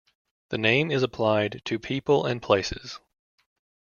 The name is applied to people and places.